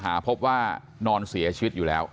คือป้าไปดูครั้งแรกคิดว่าเขาเมาคือป้าไปดูครั้งแรกคิดว่าเขาเมา